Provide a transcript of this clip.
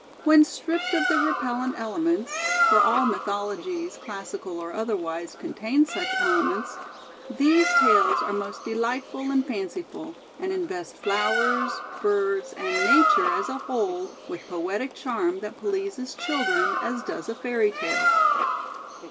When stripped of their repellent elements, for all mythologies, classical or otherwise, contain such elements, — these tales are most delightful and fanciful, and invest flowers, birds, and nature as a whole with poetic charm that pleases children as does a fairy tale.